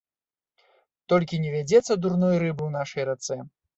Толькі не вядзецца дурной рыбы ў нашай рацэ.